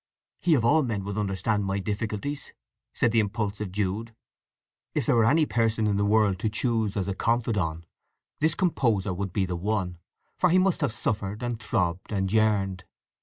"He of all men would understand my difficulties," said the impulsive Jude. If there were any person in the world to choose as a confidant, this composer would be the one, for he must have suffered, and throbbed, and yearned.